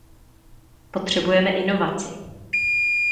Potřebujeme inovaci.